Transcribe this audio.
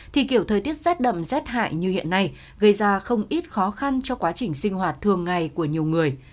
thì kiểu thời tiết rét đậm rét hại như hiện nay gây ra không ít khó khăn cho quá trình sinh hoạt thường ngày của nhiều người